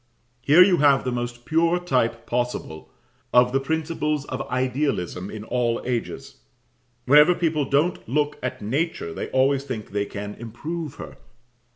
Here you have the most pure type possible of the principles of idealism in all ages: whenever people don't look at Nature, they always think they can improve her.